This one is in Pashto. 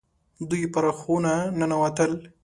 دوی پر خونه ننوتل.